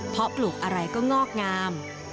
เพราะปลูกอะไรก็งอกงาม